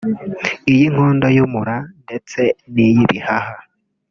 iy’inkondo y’umura ndetse n’iy’ibihaha